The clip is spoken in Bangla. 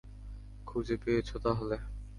খুঁজে পেয়েছ তাহলে।